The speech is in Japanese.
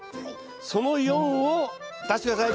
その四を出して下さい。